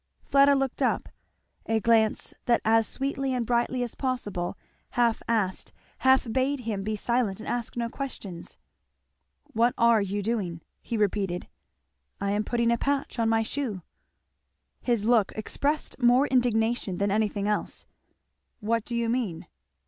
Fleda looked up, a glance that as sweetly and brightly as possible half asked half bade him be silent and ask no questions. "What are you doing?" he repeated. "I am putting a patch on my shoe." His look expressed more indignation than anything else. "What do you mean?"